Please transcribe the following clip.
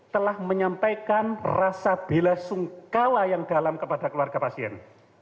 telah menyampaikan rasa bela sungkawa yang dalam kepada keluarga pasien